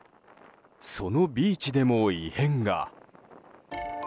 そのビーチでも異変が。